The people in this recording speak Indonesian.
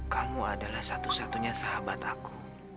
kamu adalah satu satunya sahabat aku